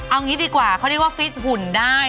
เอางี้ดีกว่าเขาเรียกว่าฟิตหุ่นได้